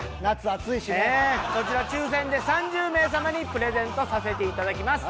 こちら抽選で３０名様にプレゼントさせて頂きます。